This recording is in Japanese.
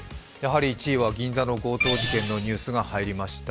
１位は銀座の強盗事件のニュースが入りました。